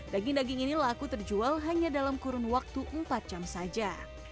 daging daging ini laku terjual hanya dalam kurun waktu empat jam saja